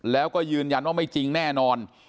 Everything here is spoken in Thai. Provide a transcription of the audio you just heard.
แล้วก็ยืนยันว่าไม่จริงแน่นอน